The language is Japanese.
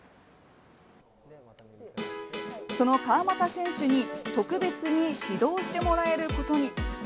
その川又選手に特別に指導してもらえることに。